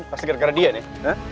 pasti gara gara dia nih